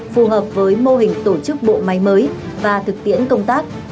phù hợp với mô hình tổ chức bộ máy mới và thực tiễn công tác